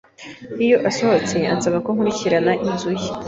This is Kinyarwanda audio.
Iyo asohotse, ansaba ko nkurikirana inzu ye.